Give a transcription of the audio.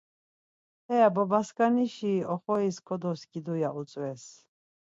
Heya baba skani şi oxoris kodoskidu ya utzves.